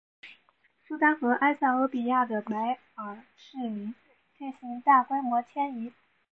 苏丹和埃塞俄比亚的白耳赤羚进行大规模迁徙。